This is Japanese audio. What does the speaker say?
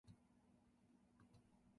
お腹が空いています